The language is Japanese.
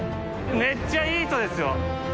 めっちゃいい人ですよ。